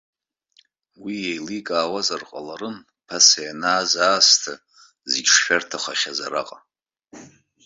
Уи еиликаауазар ҟаларын, ԥаса ианааз аасҭа, зегьы шшәарҭахахьаз араҟа.